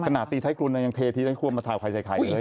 ขนาดตีไทยกลุ่นยังเคทีได้ควบมาถ่ายไข่ใส่ไข่เลย